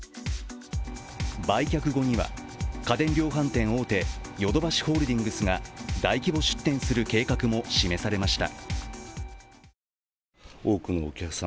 売却後には、家電量販店大手ヨドバシホールディングスが大規模出店する計画も示されました。